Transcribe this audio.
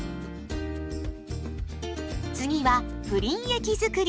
次はプリン液づくり。